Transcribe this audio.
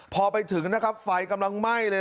พอไปถึงนะครับไฟกำลังไหม้เลย